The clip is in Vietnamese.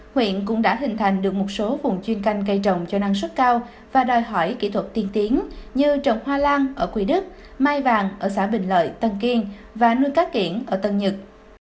huyện cũng đã hình thành được một số vùng chuyên canh cây trồng cho năng suất cao và đòi hỏi kỹ thuật tiên tiến như trồng hoa lan ở quỳ đức mai vàng ở xã bình lợi tân kiên và nuôi cá kiển ở tân nhật